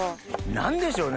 何でしょうね？